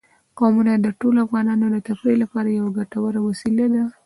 قومونه د ټولو افغانانو د تفریح لپاره یوه ګټوره وسیله ده.